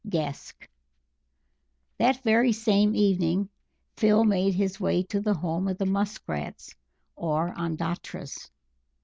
Gask That very same evening Phil made his way to the home of the Musk Rats, or Ondatras.